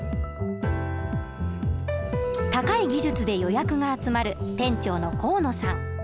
高い技術で予約が集まる店長の河野さん。